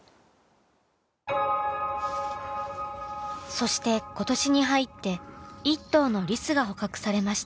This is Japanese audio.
そして今年に入って１頭のリスが捕獲されました。